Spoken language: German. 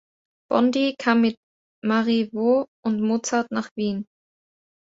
Bondy kam mit Marivaux und Mozart nach Wien.